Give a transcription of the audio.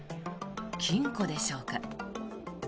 金庫でしょうか。